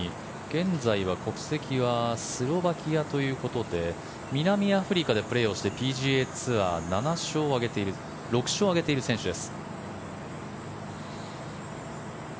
現在は国籍はスロバキアということで南アフリカでプレーしてＰＧＡツアー６勝を挙げている選手です。